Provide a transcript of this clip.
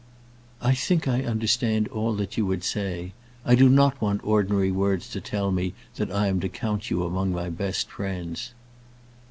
"I think I understand all that you would say. I do not want ordinary words to tell me that I am to count you among my best friends."